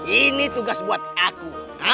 ini tugas buat aku